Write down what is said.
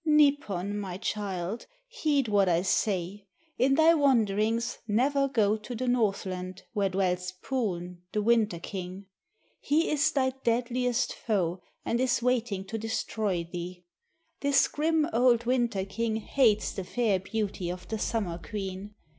"Nipon, my child, heed what I say. In thy wanderings never go to the Northland where dwells Poon, the Winter King. He is thy deadliest foe and is waiting to destroy thee. This grim old Winter King hates the fair beauty of the Summer Queen.